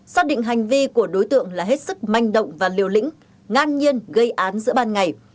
xác định hành vi của đối tượng là hết sức manh động và liều lĩnh ngang nhiên gây án giữa ban ngày